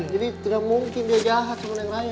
jadi tidak mungkin dia jahat sama neng raya